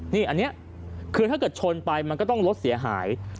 นี่อันนี้คือถ้าเกิดชนไปมันก็ต้องรถเสียหาย